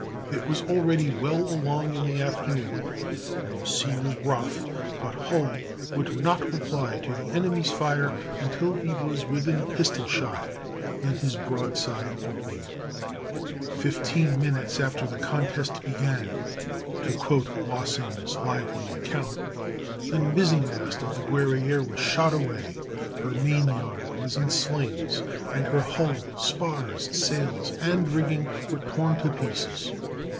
It was already well along in the afternoon, and the sea was rough, but Hull would not reply to the enemy's fire until he was within pistol shot, then his broadside opened. "Fifteen minutes after the contest began," to quote Lossing's lively account, "the mizzenmast of the Guerrière was shot away, her mainyard was in slings, and her hull, spars, sails, and rigging were torn to pieces.